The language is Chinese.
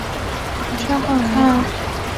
罩杯是表示胸罩的大小的表示方式。